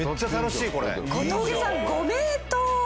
小峠さんご名答！